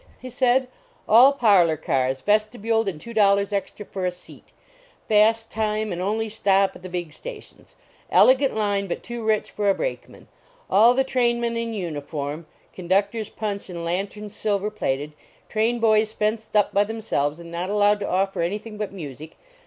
he said, "all parlor cars, vestibuled, and two dollars extra for a seat; fast time, and only stop at the big sta tions. Elegant line, but too rich for a brake man. All the trainmen in uniform; con ductor s punch and lanterns silver plated ; train boys fenced up by themselves and not allowed to offer anything but music.